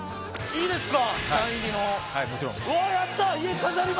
いいですか？